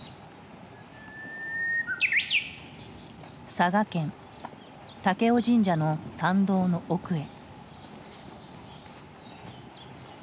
佐賀県武雄神社の参道の奥へ。